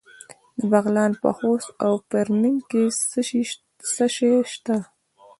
د بغلان په خوست او فرنګ کې څه شی شته؟